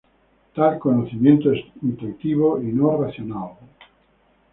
Tal conocimiento es intuitivo y no racional.